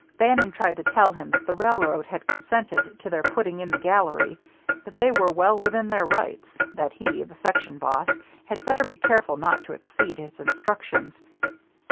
Bannon tried to tell him that the railroad had consented to their putting in the gallery, that they were well within their rights, that he, the section boss, had better be careful not to exceed his instructions.